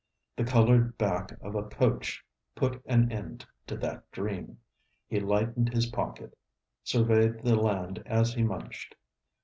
The coloured back of a coach put an end to that dream. He lightened his pocket, surveying the land as he munched.